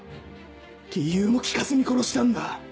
理由も聞かずに殺したんだ。